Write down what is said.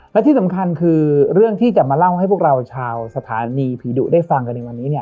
และที่สำคัญคือเรื่องที่จะมาเล่าให้พวกเราชาวสถานีผีดุได้ฟังกันในวันนี้เนี่ย